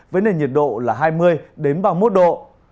với nền nhiệt độ là hai mươi ba mươi một độ